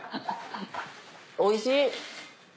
おいしい！